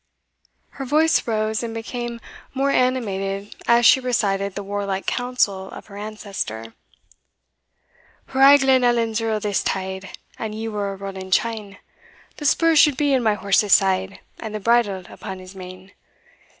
Her voice rose and became more animated as she recited the warlike counsel of her ancestor "Were I Glenallan's Earl this tide, And ye were Roland Cheyne, The spur should be in my horse's side, And the bridle upon his mane.